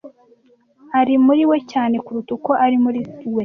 Ari muri we cyane kuruta uko ari muri we.